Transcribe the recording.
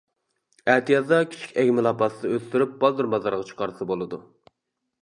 ئەتىيازدا كىچىك ئەگمە لاپاستا ئۆستۈرۈپ بالدۇر بازارغا چىقارسا بولىدۇ.